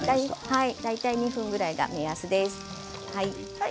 大体２分ぐらいが目安です。